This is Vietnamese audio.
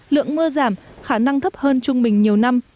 lượng mưa giảm khả năng thấp hơn trung bình nhiều năm